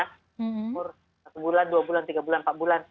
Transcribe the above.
umur satu bulan dua bulan tiga bulan empat bulan